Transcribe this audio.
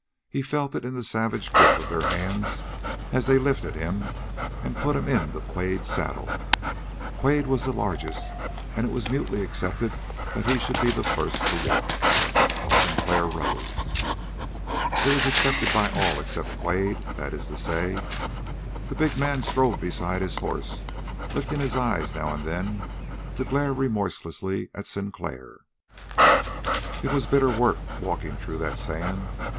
He felt it in the savage grip of their hands, as they lifted him and put him into Quade's saddle. Quade was the largest, and it was mutely accepted that he should be the first to walk, while Sinclair rode. It was accepted by all except Quade, that is to say. That big man strode beside his horse, lifting his eyes now and then to glare remorselessly at Sinclair. It was bitter work walking through that sand.